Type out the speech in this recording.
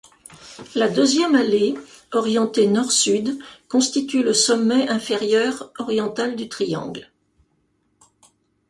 La deuxième allée, orientée nord-sud, constitue le sommet inférieur oriental du triangle.